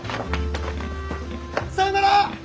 さよなら！